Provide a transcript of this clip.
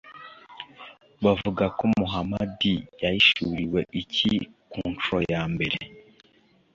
bavuga ko muhamadi yahishuriwe iki ku ncuro ya mbere?